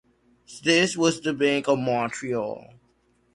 This was the Bank of Montreal.